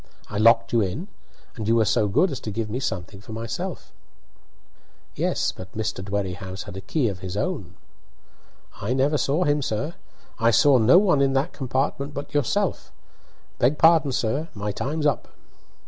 I locked you in, and you were so good as to give me something for myself." "Yes; but Mr. Dwerrihouse had a key of his own." "I never saw him, sir; I saw no one in that compartment but yourself. Beg pardon, sir; my time's up."